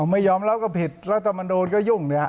ไม่ยอมรับก็ผิดรัฐธรรมนุนก็ยุ่ง